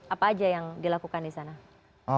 apa aja yang dilakukan di sana